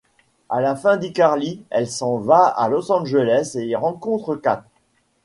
À la fin d'Icarly, elle s'en va à Los Angeles et y rencontre Cat.